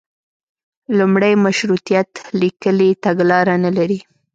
لومړی مشروطیت لیکلي تګلاره نه لري.